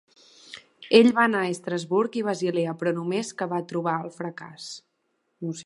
Ell va anar a Estrasburg i Basilea, però només que va trobar el fracàs.